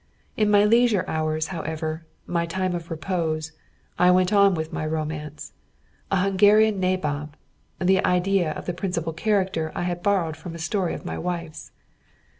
In my leisure hours, however my time of repose I went on with my romance, "A Hungarian Nabob"; the idea of the principal character I had borrowed from a story of my wife's.